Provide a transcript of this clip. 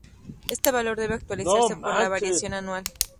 Este valor debe actualizarse por la variación anual.